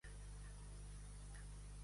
Al Comte, savis.